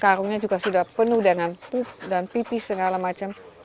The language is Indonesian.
karungnya juga sudah penuh dengan tuk dan pipis segala macam